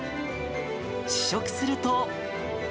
試食すると。